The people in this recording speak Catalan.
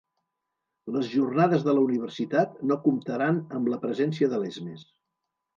Les jornades de la Universitat no comptaran amb la presència de Lesmes